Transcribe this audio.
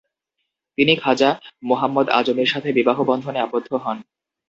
তিনি খাজা মোহাম্মদ আজমের সাথে বিবাহবন্ধনে আবদ্ধ হন।